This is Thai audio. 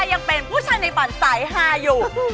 ยังเป็นผู้ชายในฝันสายฮาอยู่